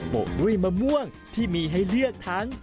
ด้วยมะม่วงที่มีให้เลือกทั้ง